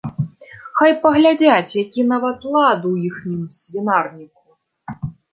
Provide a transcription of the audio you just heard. Хай паглядзяць, які нават лад у іхнім свінарніку.